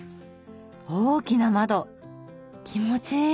大きな窓気持ちいい！